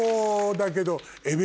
だけど。